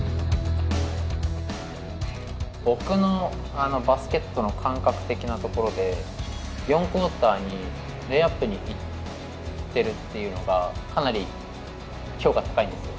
僕のバスケットの感覚的なところで４クォーターにレイアップに行ってるっていうのがかなり評価高いんですよ。